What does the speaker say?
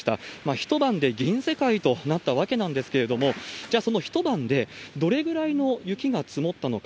一晩で銀世界となったわけなんですけれども、じゃあ、その一晩でどれぐらいの雪が積もったのか。